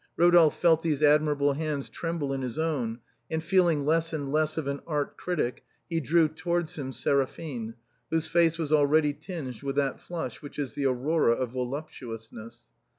Eodolphe felt these admirable hands tremble in his own, and feeling less and less of an art critic, he drew towards him Seraphine, whose face was already tinged with that flush which is the aurora of voluptuousness.